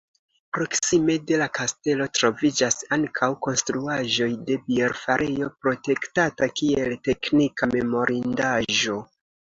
Proksime de la kastelo troviĝas ankaŭ konstruaĵoj de bierfarejo, protektata kiel teknika memorindaĵo.